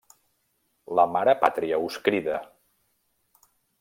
La Mare Pàtria us crida!